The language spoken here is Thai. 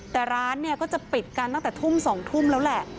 แต่ร้านเนี่ยก็จะปิดกันตั้งแต่ทุ่ม๒ทุ่มแล้วแหละ